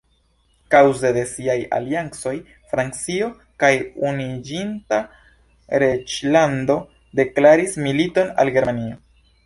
Kaŭze de siaj aliancoj Francio kaj Unuiĝinta Reĝlando deklaris militon al Germanio.